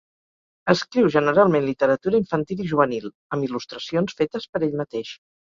Escriu generalment literatura infantil i juvenil, amb il·lustracions fetes per ell mateix.